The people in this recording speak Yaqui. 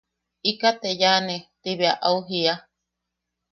–Ikaʼa te yaʼane– Ti bea au jiia.